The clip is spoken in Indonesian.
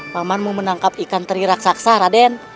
pak aman mau menangkap ikan teri raksaksa raden